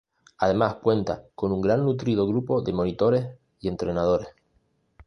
Además cuenta con un gran nutrido grupo de monitores y entrenadores.